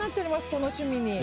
この趣味に。